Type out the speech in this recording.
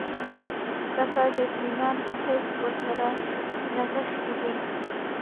دا کار د اطمینان حس ورسره نغښتی دی.